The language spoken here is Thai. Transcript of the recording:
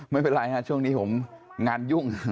ไม่เป็นไรฮะช่วงนี้ผมงานยุ่ง